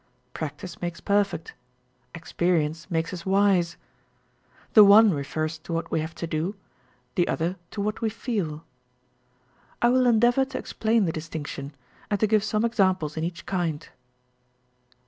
Practice makes perfect â€" experience makes us wise. The one refers to what we have to do, the other to what we feel. I will endeavour i to explain the distinction, and to give some examples in each kind.